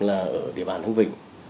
ở địa bàn hương vịnh